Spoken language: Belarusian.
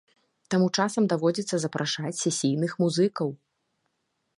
Таму часам даводзіцца запрашаць сесійных музыкаў.